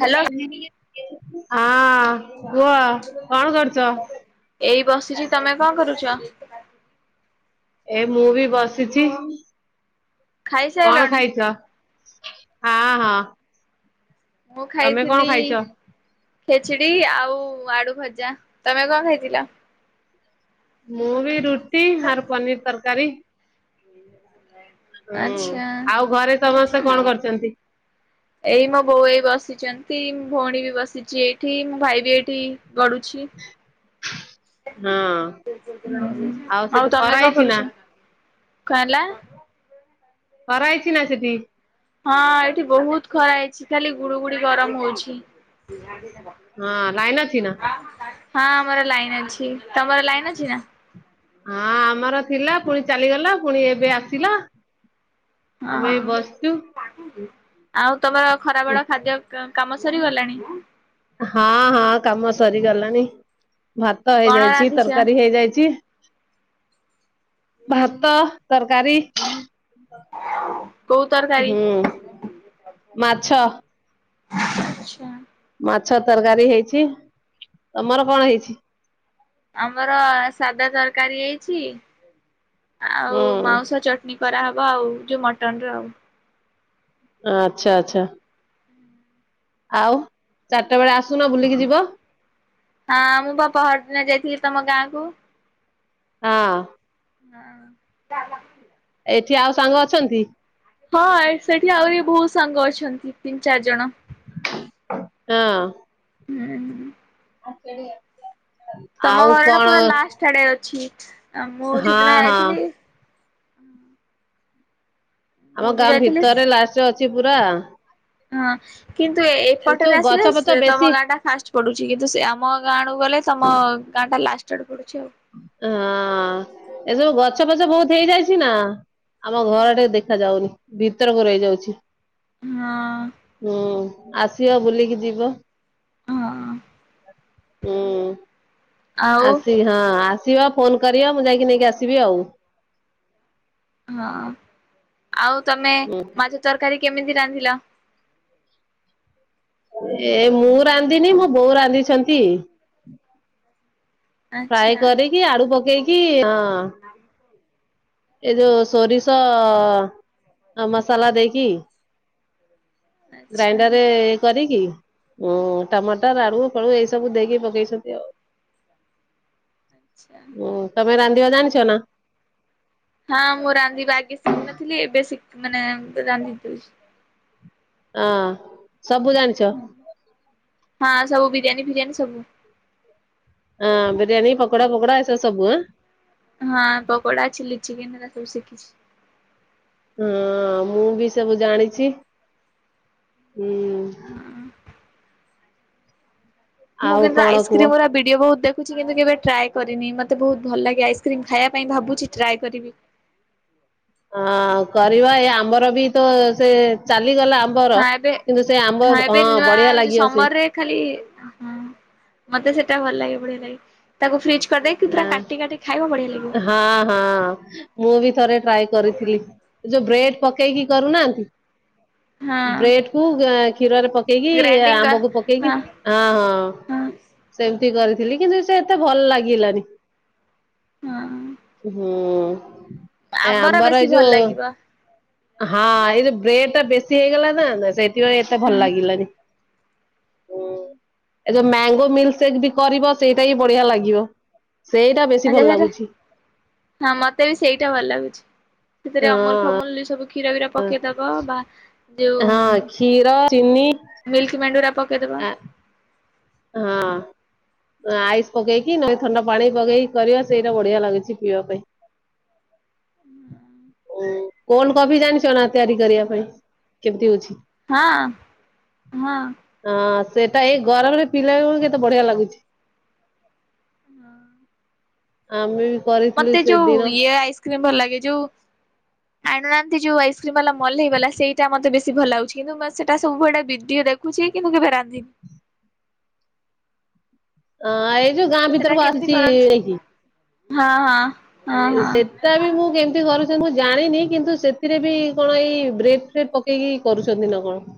Hello କୁହ କଣ କରୁଛ? ଏଇ ବସିଛି। ତମେ କଣ କରୁଛ? ଏ ମୁଁ ବି ବସିଛି। କଣ ଖାଇସାରିଲଣି? ଖାଇଛ? ହଁ ହଁ। ମୁଁ ତମେ କଣ ଖାଇଥିଲି ଖାଇଛ? ଖେଚଡି ଆଉ ଆଳୁ ଭଜା। ତମେ କଣ ଖାଇଥିଲ? ମୁଁ ବି ରୁଟି ଆର ପନିର ତରକାରୀ। ହୁଁ ଆଚ୍ଛା। ଆଉ ଘରେ ସମସ୍ତେ କଣ କରୁଛନ୍ତି? ଏଇ ମୋ ବୋଉ ଏଇ ବସିଛନ୍ତି ଭଉଣୀ ବି ବସିଛି ଏଇଠି ମୋ ଭାଇ ବି ଏଇଠି ଗଡ଼ୁଛି। ହଁ ଉଁ ଆଉ ସେଠି ଖରା ତମେ କଣ ହେଇଛି ନା କରୁଛ? କଣ ହେଲା? ଖରା ହେଇଛି ନା ସେଠି। ହଁ ଏଠି ବହୁତ ଖରା ହେଇଛି। ଖାଲି ଗୁଳୁଗୁଳି ଗରମ ହଉଛି। ହଁ ଲାଇନ ଅଛି ନା। ହଁ ଆମର ଲାଇନ୍ ଅଛି, ତମର ଲାଇନ ଅଛି ନା? ହଁ ଆମର ଥିଲା, ପୁଣି ଚାଲିଗଲା ପୁଣି ଏବେ ଆସିଲା। ଅ ହଁ। ଆମେ ବସିଛୁ। ଆଉ ତମର ଖରା ବେଳ ଖାଦ୍ୟ କ କାମ ସରିଗଲାଣି। ହଁ ହଁ କାମ ସରିଗଲାଣି। ଭାତ କଣ ହେଇଯାଇଛି ରାନ୍ଧିଛ? ତରକାରୀ ହେଇଯାଇଛି। ଭାତ ତରକାରୀ। କୋଉ ତରକାରି? ହୁଁ ମାଛ ଆଛା। ମାଛ ତରକାରୀ ହେଇଛି। ତମର କଣ ହେଇଛି? ଆମର ସାଧା ତରକାରୀ ହେଇଛି ଆଉ ହୁଁ ମାଉସ ଚଟ ଟନି କରାହବ ଆଉ ଯୋଉ ମଟନର ଆଉ। ଆଚ୍ଛା ଆଚ୍ଛା। ଆଉ ଚାରିଟା ବେଳେ ଆସୁନ ବୁଲିକି ଯିବ। ହଁ ମୁଁ ବା ପହର ଦିନ ଯାଇଥିଲି ତମ ଗାଁ କୁ। ହଁ। ହଁ। ଏଠି ଆଉ ସାଙ୍ଗ ଅଛନ୍ତି। ହଁ ସେଠି ଆହୁରି ବହୁତ ସାଙ୍ଗ ଅଛନ୍ତି ତିନି ଚାରି ଜଣ। ହଁ। ହୁଁ। [unintelligible] ତମ ଘର ଟା କଣ ପୁରା ଲାଷ୍ଟ ଆଡେ ଅଛି। ଆ ମୁଁ ହଁ ସେଦିନ ହଁ ଯାଇଥିଲି ମୁଁ ଆମ ଯୋଉ ଗାଁ ଯାଇଥିଲି ଭିତରେ ଲାଷ୍ଟ ରେ ଅଛି ପୁରା। ହଁ କିନ୍ତୁ, ଏସବୁ ଏପଟରେ ଗଛ ପଛ ଆସିଲେ ତମ ବେଶୀ ଗାଁ ଟା ଫାଷ୍ଟ ପଡୁଛି କିନ୍ତୁ ସେ ଆମ ଗାଁଡୁ ଗଲେ ତମ ଗାଁ ଟା ଲାଷ୍ଟ ଆଡୁ ପଡୁଛି ଆଉ। ହଁ ଏସବୁ ଗଛ ଫଛ ବହୁତ ହେଇଯାଇଛି ନା। ଆମ ଘର ଟିକେ ଦେଖା ଯାଉନି ଭିତରକୁ ରହିଯାଉଛି। ହଁ। ହୁଁ ଆସିବ ବୁଲିକି ଯିବ। ହଁ। ଉଁ। ଆଉ ଆସି ହଁ ଆସିବା ଫୋନ କରିବ ମୁଁ ଯାଇକି ନେଇକି ଆସିବି ଆଉ। ହଁ ଆଉ ତମେ ହୁଁ ମାଛ ତରକାରୀ କେମିତି ରାନ୍ଧିଲ? ଏ ମୁଁ ରାନ୍ଧିନି ମୋ ବୋଉ ରାନ୍ଧିଛନ୍ତି। ଆଚ୍ଛା ଫ୍ରାଏ କରିକି ଆଳୁ ପକେଇକି ହଁ। ଏ ଯୋଉ ସୋରିଷ ମସଲା ଦେଇକି ଆଚ୍ଛା ଗ୍ରାଇଣ୍ଡର ରେ କରିକି ହୁଁ ଟମାଟର ଆଳୁ ଫଳୁ ଏଇ ସବୁ ଦେଇକି ପକେଇଛନ୍ତି ଆଉ। ଆଚ୍ଛା। ହୁଁ ତମେ ରାନ୍ଧିବା ଜାଣିଛ ନା। ହଁ ମୁଁ ରାନ୍ଧିବା ଆଗେ ଶିଖିନଥିଲି ଏବେି ଶିକି ମାନେ ରାନ୍ଧି ଦଉଚି। ହଁ ସବୁ ଜାଣିଚ। ହଁ ସବୁ ବିରିୟାନୀ ଫିରିୟାନୀ ସବୁ। ହଁ ବିରିୟାନୀ ପକୋଡ଼ା ଫକୋଡା ଏସବୁ ସବୁ ଆଁ। ହଁ ପକୋଡା ଚିଲି ଚିକେନ ଏରା ସବୁ ଶିଖିଛି। ହଁ ମୁଁ ବି ସବୁ ଜାଣିଛି ହଁ। [unintelligible] ମୁଁ ଆଉ କିନ୍ତୁ କଣ କୁହ? ଆଇସ୍କ୍ରିମ ଉରା ଭିଡିଓ ବହୁତ ଦେ କୁଚି କେବେ ଟ୍ରାଏ କରିନି ମତେ ବହୁତ ଭଲ ଲାଗେ ଆଇସ୍କ୍ରିମ୍ ଖାଇବା ପାଇଁ ଭାବୁଛି ଟ୍ରାଏ କରିବି। ହଁ କରିବା ଏଇ ଆମ୍ବର ବି ତ ସେ ଚାଲିଗଲା ଆ ମ୍ବର ହଁ ଏବେ କିନ୍ତୁ ସେ ଆମ୍ବ ଏବେ ହଁ ନୂଆ ବଢିଆ ଯୋଉ ଲାଗିବ ସେ। ସମରରେ ଖାଲି ହଁ ମତେ ସେଟା ଭଲ ଲାଗେ ବଢିଆ ଲାଗେ। ତାକୁ ଫ୍ରିଜ୍ କରିଦେଇକ ପୁରା ହଁ କାଟି କାଟି ଖାଇବା ବଢିଆ ଲାଗିବ। ହଁ ହଁ। ମୁଁ ବି ଥରେ ଟ୍ରାଏ କରିଥିଲି ଯୋଉ ବ୍ରେଡ ପକେଇକି କରୁନାହାନ୍ତି। ହଁ ବ୍ରେଡ କୁ କ୍ଷୀରରେ ପକେଇକି ଗ୍ରାଇଣ୍ଡିଙ୍ଗ ଆମ୍ବ କୁ ପକେଇକି। ହଁ ହଁ ସେମିତି କରିଥିଲି କିନ୍ତୁ ସେ ଏତେ ଭଲ ଲାଗିଲାନି। ହଁ ହୁଁ ଏ ଆମ୍ବର ଆମ୍ବାର ବେଶୀ ଏ ଭଲ ଯୋଉ। ଲାଗିବ ହଁ ଏ ଯଉ ବ୍ରେଡ ଟା ବେଶୀ ହେଇଗଲା ନା ସେଇଥିପାଇଁ ଏତେ ଭଲ ଲାଗିଲାନି। ହୁଁ। ଏ ଯୋଉ ମ୍ୟାଙ୍ଗୋ ମିଲ୍ ସେକ୍ ବି କରିବ ସେଇଟା ବି ବଢିଆ ଲାଗିବ। ସେଇଟା ବେ ହଁ ମତେ ବି ସେଇଟା ଭଲ ଲାଗୁଛି ସେଥିରେ ଅମୁଲ ହଁ ଫମୁଲ ସବୁ କ୍ଷୀର ବିର ପକେଇଦବ ବା ଯୋଉ ହଁ କ୍ଷୀର ଚିନି ମିଲ୍କି ମେଣ୍ଡ ଯଉଟା ପ [inaudible] ଆ ହଁ। ଆଇସି ପକେଇକି ନହେଲେ ଥଣ୍ଡା ପାଣି ପକେଇକି କରିବା ସେଇଟା ବଢିଆ ଲାଗୁଛି ପିଇବା ପାଇଁ। ହ ଉଁ। କଣ କଫି ଜାଣିଛ ନା ତିଆରି କରିବା ପାଇଁ କେମିତି ହଉଛି। ହଁ ହଁ। ହଁ ସେଟା ଏଇ ଗରମରେ ପିଇଲା ବେଳକୁ କେତେ ବଢିଆ ଲାଗୁଛି। ହଁ। ଆମେ ବି କରି ମତେ ଯୋଉ ଇଏ ଆଇସ୍କ୍ରିମ ଭଲ ଲାଗେ ଯୋଉ ଆଣୁନାହାନ୍ତି ଯୋଉ ଆଇସ୍କ୍ରିମ ବାଲା ମଲ୍ ହେଇଗଲା ସେଇଟା ମତେ ବେଶୀ ଭଲ ଲାଗୁଛି କିନ୍ତୁ ସେଟା ସବୁଆଡେ ଭିଡିଓ ରେ। ଛି କିନ୍ତୁ କେବେ ରାନ୍ଧିନି। ହଁ ଏଇ ଯୋଉ ଗାଁ ସେଟା ଭିତରକୁ କେମିତି ଆସିଛି କରନ୍ତି ଏଇକି ହଁ ହଁ। ହଁ ହଁ। ସେଟା ବି ମୁଁ କେମିତି କରୁଛି ମୁଁ ଜାଣିନି କିନ୍ତୁ ସେଥିରେ ବି କଣ ଏଇ ବ୍ରେଡ ଫ୍ରେଡ଼ ପ କେଇକି କରୁଛନ୍ତି ନା କଣ।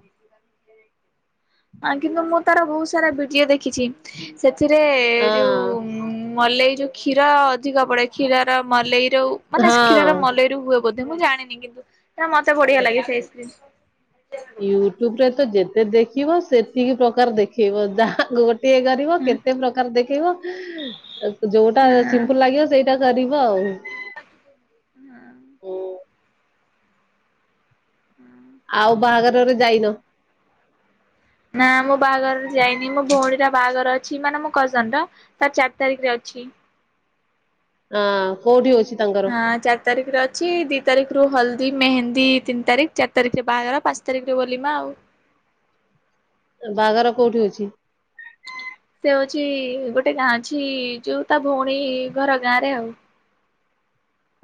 ହଁ କିନ୍ତୁ ମୁଁ ତାର ବହୁତ ସାରା ଭିଡିଓ ଦେଖିଛି। ସେଥିରେ ଯୋଉ ହଁ ମେଲଇ ଯୋଉ କ୍ଷୀର ଅଧିକ ପଡେ କ୍ଷୀରର ମଲେଇରୁ ମାନେ ହଁ। କ୍ଷୀରର ମଲେଇ ହୁଏ ବୋଧେ ମୁଁ ଜାଣିନି କିନ୍ତୁ ମତେ ବଢିଆ ଲାଗେ ସେ ଆଇସକ୍ରିମ। ୟୁଟ୍ୟୁବ ରେ ତ ଯେତେ ଦେଖିବ ସେତିକି ପ୍ରକାର ଦେଖେଇବ ଯାହା ଗୋ ଏ କରିବ ହଁ କେତେ ପ୍ରକାର ଦେଖେଇବ ଯୋଉଟା ହଁ ହଁ ସିମ୍ପଲ ଲାଗିବ ସେଇ ଟା କରିବ ଆଉ। ହୁଁ। ହୁଁ। ଆଉ ବାହାଘରରେ ଯାଇନ। ନା ମୁଁ ବାହାଘର ରେ ଯାଇନି ମୋ ଭଉଣୀ ର ବାହାଘର ଅଛି ମାନେ ମୋ କଜନ୍ ର। ତାର ଚାରି ତାରିଖରେ ଅଛି। ହଁ କୋଉଠି ହଉଛି ତାଙ୍କର। ହଁ ଚାରି ତାରିଖରେ ଅଛି ଦି ତାରିଖରୁ ହଳଦୀ ମେହେନ୍ଦୀ ତିନି ତାରିଖ ଚାରି ତାରିଖରେ ବାହାଘର ପାଞ୍ଚ ତାରିଖରେ ବଲିମା ଆଉ। ବାହାଘର କୋଉଠି ହଉଛି? ସେ ହଉଛି ଗୋଟେ ଗାଁ ଅଛି ଯୋଉ ତା ଭଉଣୀ ଘର ଗାଁ ରେ ଆଉ।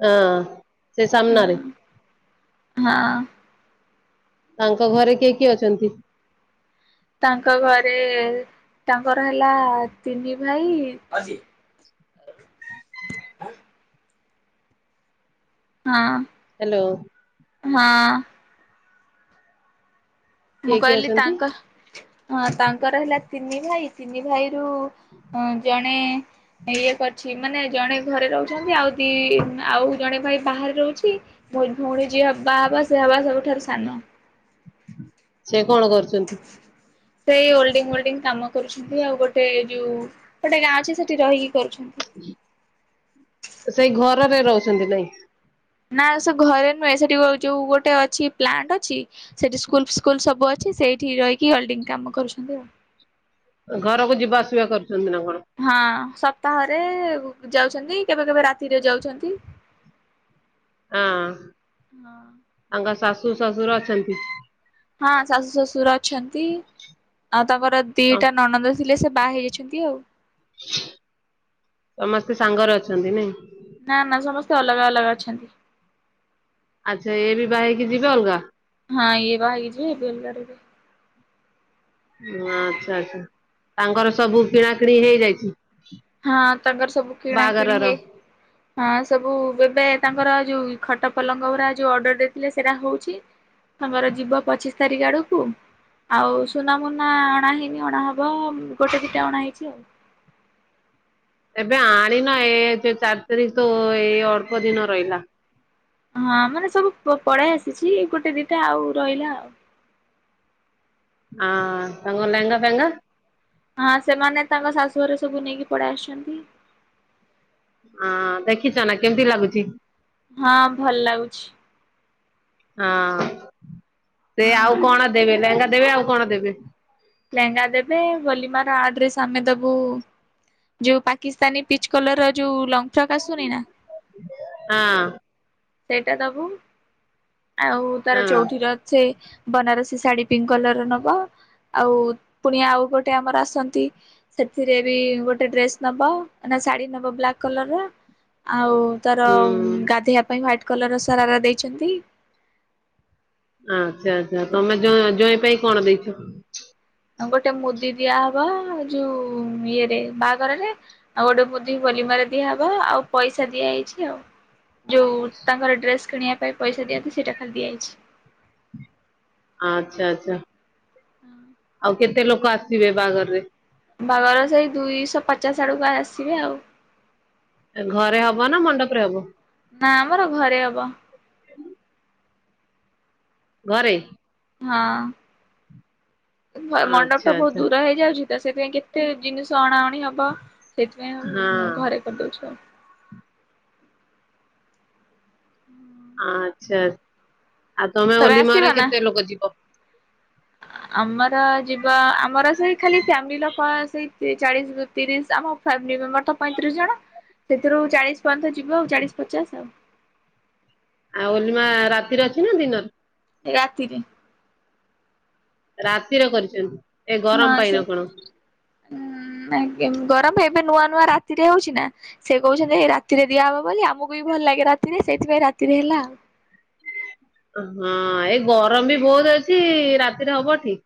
ହଁ। ସେ ସାମ୍ନାରେ ହୁଁ ହଁ। ତାଙ୍କ ଘରେ କିଏ କିଏ ଅଛନ୍ତି? ତାଙ୍କ ଘରେ ତାଙ୍କର ହେଲା ତିନି ଭାଇ। ହଁ। ହାଲୋ। ହଁ। କିଏ ମୁଁ କିଏ କହିଲି ଅଛନ୍ତି ତାଙ୍କ ହଁ ତାଙ୍କର ହେଲା ତିନି ଭାଇ ତିନି ଭାଇରୁ ଜଣେ ଇଏ କରିଛି ମାନେ ଜଣେ ଘରେ ରହୁଛନ୍ତି ଆଉ ଦି ଆଉ ଜଣେ ଭାଇ ବାହାରେ ରହୁଛି ମୋ ଭଉଣୀ ଯିଏ ବା ହବା ସେ ହବା ସବୁଠାରୁ ସାନ। ସେ କଣ କରୁଛନ୍ତି? ସେଇ ଓଲଡିଙ୍ଗ ମୋଲଡିଙ୍ଗ କାମ କରୁଛନ୍ତି ଆଉ ଗୋଟେ ଯୋଉ ଗୋଟେ ଗାଆଁ ଅଛି ସେଇଠି ରହିକି କରୁଛନ୍ତି। ସେଇ ଘରରେ ରହୁଛନ୍ତି ନାଇଁ। ନା ସେ ଘରେ ନୁହେଁ ସେଠି ଯୋଉ ଗୋଟେ ଅଛି ପ୍ଲାଣ୍ଟ ଅଛି ସେଠି ସ୍କୁଲ ଫୁସ୍କୁଲ ସବୁ ଅଛି ଅଛି, ସେଇଠି ରହିକି ଓଲ୍ଡିଙ୍ଗ କାମ କରୁଛନ୍ତି ଆଉ। ଘରକୁ ଯିବା ଆସିବା କରୁଛନ୍ତି ନା କଣ। ହଁ ସପ୍ତାହରେ ଯାଉଛନ୍ତି, କେବେ କେବେ ରାତିରେ ଯାଉଛନ୍ତି। ଆଁ। ହଁ। ତାଙ୍କ ଶାଶୁ ଶାଶୁର ଅଛନ୍ତି। ହଁ ଶାଶୁ ଶ୍ୱଶୁର ଅଛନ୍ତି ଆଉ ତା ପରେ ହଁ ଦିଟା ନଣନ୍ଦ ଥିଲେ ସେ ବାହା ହେଇଯାଇଛନ୍ତି ଆଉ। ସମସ୍ତେ ସାଙ୍ଗରେ ଅଛନ୍ତି ନାଇଁ। ନା ନା ସମସ୍ତେ ଅଲଗା ଅଲଗା ଅଛନ୍ତି। ଆଚ୍ଛା ଏ ବିଭା ହେଇକି ଯିବେ ଅଲଗା। ହଁ ଇଏ ବାହାହେଇକି ଯିବେ ଇଏ ବିଏ ଅଲଗା ରହିବେ। ଆଚ୍ଛା ଆଚ୍ଛା ତାଙ୍କର ସବୁ କିଣା କିିଣି ହେଇଯାଇଛି। ହଁ ତାଙ୍କର ସବୁ କିଣା କିିଣି ବାହାଘରର? ହେ ହଁ ସବୁ ଏବେ ତାଙ୍କର ଯୋଉ ଖଟ ପଲଙ୍କ ଉରା ଯୋଉ ଅର୍ଡର ଦେଉଥିଲେ ସେରା ହଉଚି। ତାଙ୍କର ଯିବ ପଚିଶି ତାରିଖ ଆଡକୁ ଆଉ ସୁନା ମୁୁନା ଅଣା ହେଇନି ଅଣାହବ ଗୋଟେ ଦିଟା ଅଣା ହେଇଛି ଆଉ। ଏବେ ଆଣିନ ଏ ଚାରି ତାରିଖ ତ ଏଇ ଅଳ୍ପ ଦିନ ରହିଲା। ହଁ ମାନେ ସବୁ ପଳେଇ ଆସିଛି ଗୋଟେ ଦିଟା ଆଉ ରହିଲା ଆଉ। ହଁ ତାଙ୍କ ଲେହେଙ୍ଗା ଫେହେଙ୍ଗା ହଁ ସେମାନେ ତାଙ୍କ ଶାଶୁ ଘରେ ସବୁ ନେଇକି ପଳେଇ ଆସିଛନ୍ତି। ଆଁ ଦେଖିଛ ନା କେମିତି ଲାଗୁଛି? ହଁ ଭଲ ଲାଗୁଛି। ହଁ ସେ ହଁ ଆଉ କଣ ଦେବେ ଲେହେଙ୍ଗା ଦେବେ ଆଉ କଣ ଦେବେ? ଲେହେଙ୍ଗା ଦେବେ ବୋଲିମାର ଆଡ୍ରେସ ଆମେ ଦବୁ ଯୋଉ ପାକିସ୍ତାନୀ ପିଚ୍ କଲର ର ଯୋଉ ଲଙ୍ଗ ଫ୍ରକ୍ ଆସୁନି ନା। ହଁ। ସେଇଟା ଦବୁ ଆଉ ତାର ହଁ ଚଉଠିର ସେ ବନାରସୀ ଶାଢୀ ପିଙ୍କ କଲରର ନବ। ଆଉ ପୁଣି ଆଉ ଗୋଟେ ଆମର ଆସନ୍ତି ସେଥିରେ ବି ଗୋଟେ ଡ୍ରେସ ନବ ନା ଶାଢୀ ନବ ବ୍ଲାକ୍ କଲର ର ଆଉ ତାର ହୁଁ। ଗାଧେଇବା ପାଇଁ ହ୍ୱାଇଟ୍ କଲରର୍ ସରାରା ଦେଇଛନ୍ତି। ଆଚ୍ଛା ଆଚ୍ଛା ତମେ ଜୋ ଜୋଇଁ ପାଇଁ କଣ ଦେଇଚ? ଗୋଟେ ମୁଦି ଦିଆହବ ଯୋଉ ଇଏରେ ବାହାଘରରେ। ଆଉ ଗୋଟେ ମୁଦି ହୋଲିମାରେ ଦିଆହବ ଆଉ ପଇସା ଦିଆ ହେଇଚି ଆଉ। ଯୋଉ ତାଙ୍କର ଡ୍ରେସ କିଣିବା ପାଇଁ ପଇସା ଦିଅନ୍ତି ସେଇଟା ଖାଲି ଦିଆହେଇଛି। ଆଚ୍ଛା ଆଚ୍ଛା। ହଁ। ଆଉ କେତେ ଲୋକ ଆସିବେ ବାହାଘରରେ? ବାହାଘର ସେଇ ଦୁଇଶହ ପଚାଶ ଆଡ଼କୁ ଆ ଆସିବେ ଆଉ। ଘରେ ହବ ନା ମଣ୍ଡପରେ ହବ? ନା ଆମର ଘରେ ହବ। ଘରେ? ହଁ। ଆଚ୍ଛା ମ-ମଣ୍ଡପଟା ବୋହୁତ ଆଚ୍ଛା। ଦୂର ହେଇଯାଉଚି ତ ସେଥିପାଇଁ କେତେ ଜିନିଷ ଅଣାଅଣି ହବ। ସେଇଥିପାଇଁ ଆଉ ଉଁ ହଁ ଘରେ କରିଦୋଉଛୁ ଆଉ। [inaudible] ଆଚ୍ଛା ଆଉ ତମେ ଆସିବ ଓଲିମାରେ ନା? କେତେ ଲୋକ ଯିବ? ଆମର ଯିବ ଆମର ସେଇ ଖାଲି ଫ୍ୟାମିଲି ଲୋକ ସେଇ ତି ଚାଳିଶ ତିରିଶ ଆମ ଫ୍ୟାମିଲି ମେମ୍ବର ତ ପଇଁତିରିଶ ଜଣ ସେଥିରୁ ଚାଳିଶ ପର୍ଯ୍ୟନ୍ତ ଯିବ ଆଉ ଚାଳିଶ ପଚାଶ ଆଉ। ଆଉ ଓଲିମା ରାତିରେ ଅଛି ନା ଦିନରେ? ଏ ରାତିରେ। ରାତିରେ କରିଚନ୍ତି ଏ ଗରମ ପାଇଁ ନା କଣ? ହୁଁ ଆଗେ ଗରମ ପାଇଁ ଏବେ ନୂଆ ନୂଆ ରାତିରେ ହୋଉଚି ନା। ସେ କୋହୁଛନ୍ତି ହେଇ ରାତିରେ ଦିଆହବ ବୋଲି ଆମକୁ ବି ଭଲ ଲାଗେ ରାତିରେ ସେଇଥିପାଇଁ ରାତିରେ ହେଲା ଆଉ। ଅଁହଁ ଏଇ ଗରମ ବି ବୋହୁତ ଅଛି ରାତିରେ ହବ ଠିକ୍।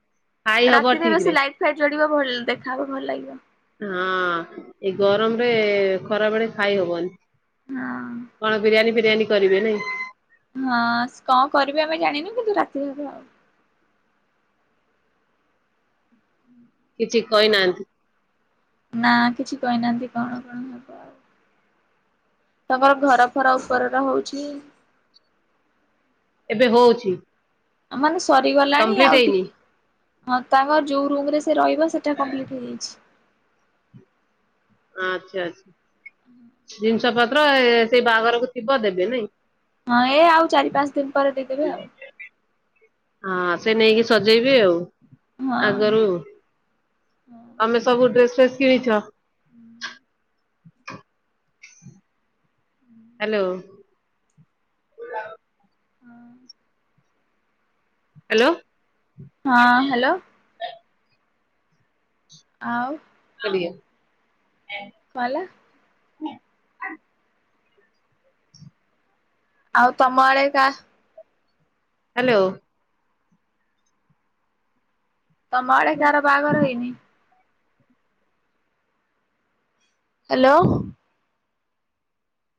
ରାତିରେ ବେଶୀ ଲାଇଟ୍ ଫାଇଟ୍ ଜଳିବ ଭଲ୍ ଦେଖାହବ ଭଲ ଲାଗିବ। ହଁ ଏଇ ଗରମରେ ଖରା ବେଳେ ଖାଇହବନି। ହଁ କଣ ବିରିୟାନୀ ଫିରିୟାନୀ କରିବେ ନାଇଁ? ହଁ ସ୍ କଣ କରିବେ ଆମେ ଜାଣିନୁ କିନ୍ତୁ ରାତିରେ ହବେ ଆଉ। କିଛି କହିନାହାନ୍ତି? ନା କିଛି କହିନାହାନ୍ତି କଣ କଣ ହେବ ଆଉ। ତାଙ୍କର ଘର ଫର ଉପରରା ହୋଉଛି। ଏବେ ହୋଉଛି? ମାନେ ସରିଗଲାଣି ଆଉ ହେଇନି ଟିକ୍ ହଁ ତାଙ୍କର ଯୋଉ ରୁମରେ ସେ ରହିବ ସେଟା କମ୍ପିଲିଟ୍ ହେଇଯାଇଚି। ଆଚ୍ଛା ଆଚ୍ଛା। ହୁଁ। ଜିନିଷ ପତ୍ର ଏ ସେଇ ବାହାଘରକୁ ଥିବ ଦେବେ ନାଇଁ? ହଁ ଏ ଆଉ ଚାରିପାଞ୍ଚ ଦିନ ପରେ ଦେଇଦେବେ ଆଉ। ହଁ ସେ ନେଇକି ସଜେଇବି ଆଉ ହଁ। ଆଗରୁ। ଆମେ ସବୁ ଡ୍ରେସ ଫ୍ରେସ୍ କିଣିଛ? ହୁଁ। ହୁଁ। ହାଲୋ। ହଁ। ହାଲୋ। ହଁ ହାଲୋ। ଆଉ ଆଉ ଟିକେ ଏଁ କଁ ହେଲା? ଆଉ ତମ ଆଡ଼େ କାହ୍ ହାଲୋ। ତମ ଆଡେ କାହାର ବାହାଘର ହେଇନି? ହାଲୋ।